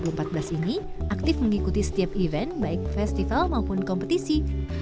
seke yg sudah ada sejak tahun dua ribu empat belas ini aktif mengikuti setiap event baik festival maupun kompetisi